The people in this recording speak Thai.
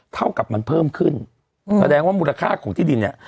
เท่ากับมันเพิ่มขึ้นแสดงว่ามูลค่าของที่ดินเนี่ย